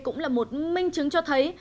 cũng là một minh chứng cho thấy